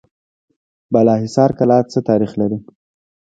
بالاحصار کلا څه تاریخ لري؟